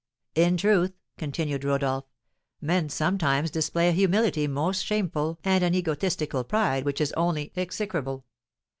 In truth," continued Rodolph, "men sometimes display a humility most shameful and an egotistical pride which is only execrable.